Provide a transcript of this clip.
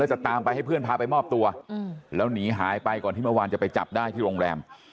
จะตามไปให้เพื่อนพาไปมอบตัวแล้วหนีหายไปก่อนที่เมื่อวานจะไปจับได้ที่โรงแรม